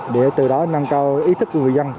để từ đó nâng cao ý thức của người dân